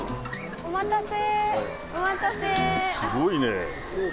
お待たせ。